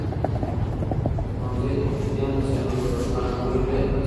ښوونځی د کوچنیانو د ذهنونو د روښانولو بنسټ دی.